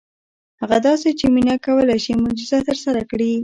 هغه داسې چې مينه کولی شي معجزه ترسره کړي.